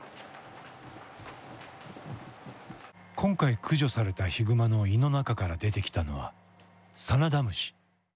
今回駆除されたヒグマの胃の中から出てきたのはサナダムシ。